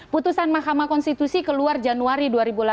putusan mahkamah konstitusi keluar januari dua ribu delapan belas